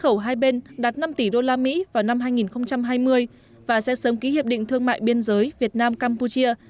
khẩu hai bên đạt năm tỷ usd vào năm hai nghìn hai mươi và sẽ sớm ký hiệp định thương mại biên giới việt nam campuchia